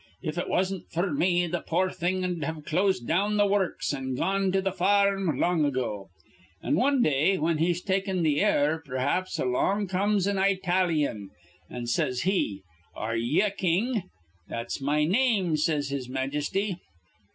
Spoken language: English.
If it wasn't f'r me, th' poor thing'd have closed down the wurruks, an' gone to th' far rm long ago.' An' wan day, whin he's takin' th' air, p'raps, along comes an Eyetalyan, an' says he, 'Ar re ye a king?' 'That's my name,' says his majesty.